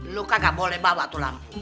lo kagak boleh bawa tuh lampu